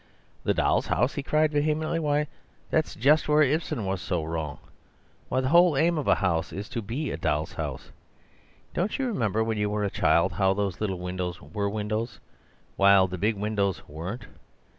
"'The Doll's House"?' he cried vehemently; 'why, that is just where Ibsen was so wrong! Why, the whole aim of a house is to be a doll's house. Don't you remember, when you were a child, how those little windows WERE windows, while the big windows weren't.